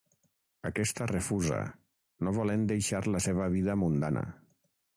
Aquesta refusa, no volent deixar la seva vida mundana.